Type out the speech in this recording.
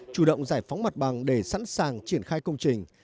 chủ động giải phóng mặt bằng để sẵn sàng triển khai công trình